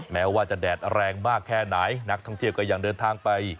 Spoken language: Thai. แม้ว่าจะแดดแรงมากแค่ไหนนักท่องเที่ยวก็ยังเดินทางไป